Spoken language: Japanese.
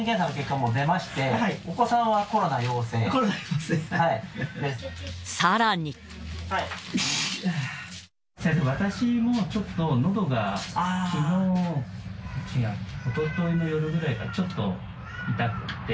すみません、私もちょっとのどがきのう、違う、おとといの夜ぐらいからちょっと痛くって。